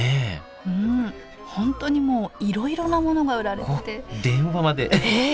本当にもういろいろなものが売られてて電話までええ！